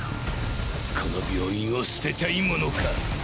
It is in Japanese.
この病院を捨てたいものか！